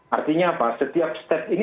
artinya apa setiap step ini